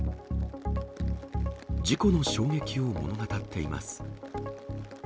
事故の衝撃を物語っています。